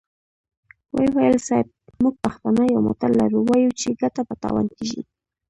ويې ويل: صيب! موږ پښتانه يو متل لرو، وايو چې ګټه په تاوان کېږي.